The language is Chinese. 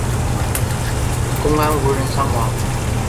公安无人伤亡。